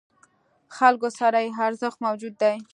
خلکو سره یې ارزښت موجود دی.